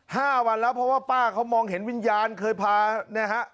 ห้าวันแล้วเพราะว่าป้าเขามองเห็นวิญญาณเคยพานะฮะ